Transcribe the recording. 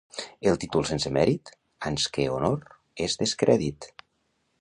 El títol sense mèrit, ans que honor, és descrèdit.